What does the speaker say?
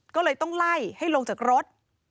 ก็เลยต้องไล่ให้ลงจากรถ